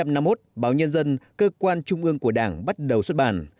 năm một nghìn chín trăm năm mươi một báo nhân dân cơ quan trung ương của đảng bắt đầu xuất bản